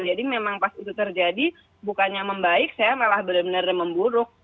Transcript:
jadi memang pas itu terjadi bukannya membaik saya malah benar benar memburuk